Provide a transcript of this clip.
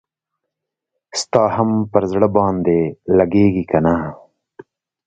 ستا هم پر زړه باندي لګیږي کنه؟